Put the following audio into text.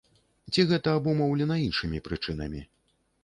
Ці гэта абумоўлена іншымі прычынамі?